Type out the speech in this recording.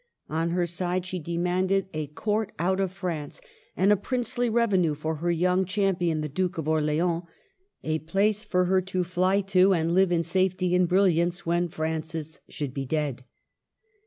On her side she demanded — a court out of France and a princely revenue for her young champion the Duke of Orleans; a place for her to fly to and live in safety and brilliance when Francis should be dead.